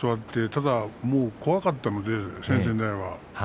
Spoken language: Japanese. ただ、怖かったので先々代は。